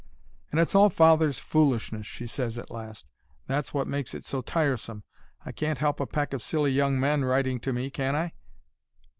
"'And it's all father's foolishness,' she ses, at last; 'that's wot makes it so tiresome. I can't help a pack of silly young men writing to me, can I?'